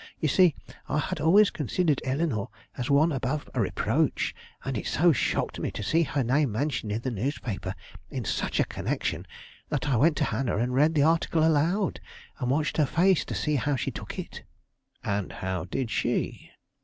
You see, I had always considered Eleanore as one above reproach, and it so shocked me to see her name mentioned in the newspaper in such a connection, that I went to Hannah and read the article aloud, and watched her face to see how she took it." "And how did she?"